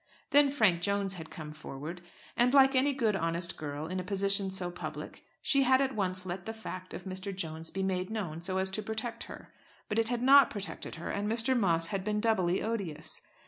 Then Frank Jones had come forward; and like any good honest girl, in a position so public, she had at once let the fact of Mr. Jones be made known, so as to protect her. But it had not protected her, and Mr. Moss had been doubly odious.